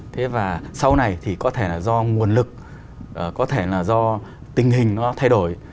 thế và sau này thì có thể là do nguồn lực có thể là do tình hình nó thay đổi